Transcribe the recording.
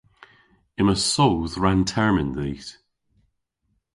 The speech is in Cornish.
Yma soodh rann-termyn dhis.